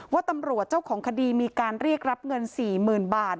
ว่าตำรวจเจ้าของคดีมีการเรียกรับเงิน๔๐๐๐บาท